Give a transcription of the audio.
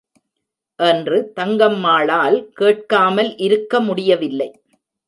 என்று தங்கம்மாளால் கேட்காமல் இருக்க முடியவில்லை.